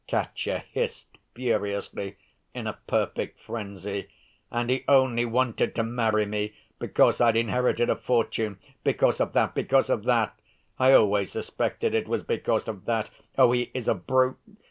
Katya hissed furiously, in a perfect frenzy. "And he only wanted to marry me, because I'd inherited a fortune, because of that, because of that! I always suspected it was because of that! Oh, he is a brute!